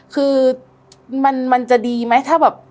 คือมันจะดีไหมถ้าแบบ